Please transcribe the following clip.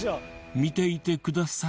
見ていてください。